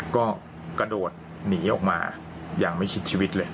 ก็กระโดดหนีออกมาอย่างไม่ชิดชีวิตเลย